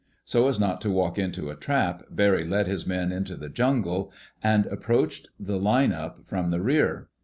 So as not to walk into a trap, Barry led his men into the jungle and approached the line up from the rear.